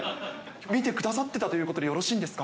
見てくださってたということでよろしいんですか。